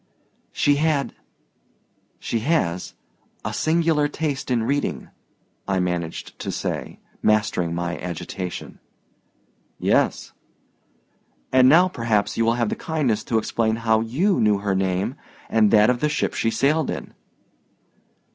"She had—she has—a singular taste in reading," I managed to say, mastering my agitation. "Yes. And now perhaps you will have the kindness to explain how you knew her name and that of the ship she sailed in."